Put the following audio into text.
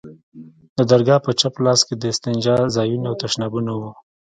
د درگاه په چپ لاس کښې د استنجا ځايونه او تشنابونه وو.